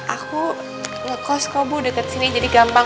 aku ngekos kok bu deket sini jadi gampang